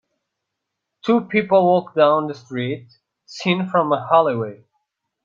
Two people walk down the street, seen from a alleyway.